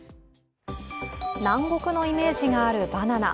南国のイメージがあるバナナ。